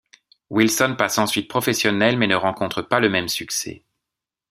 Wilson passe ensuite professionnel mais ne rencontre pas le même succès.